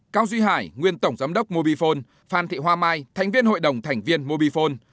cao duy hải nguyên tổng giám đốc mobifone phan thị hoa mai thành viên hội đồng thành viên mobifone